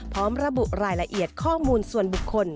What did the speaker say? พร้อมระบุรายละเอียดข้อมูลส่วนบุคคล